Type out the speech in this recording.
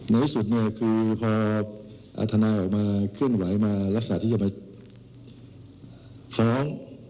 ในที่สุดเนี่ยคือพอทนายออกมาเคลื่อนไหวมาลักษณะที่จะไปฟ้อง